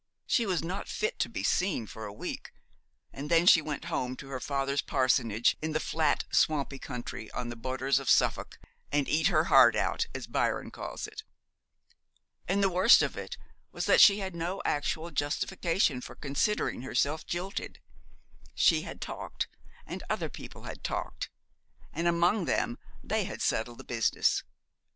She was not fit to be seen for a week, and then she went home to her father's parsonage in the flat swampy country on the borders of Suffolk, and eat her heart, as Byron calls it. And the worst of it was that she had no actual justification for considering herself jilted. She had talked, and other people had talked, and among them they had settled the business.